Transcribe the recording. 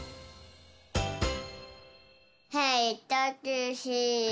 へいタクシー。